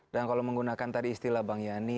dan kalau menggunakan tadi istilah bang yani